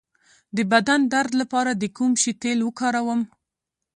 د بدن درد لپاره د کوم شي تېل وکاروم؟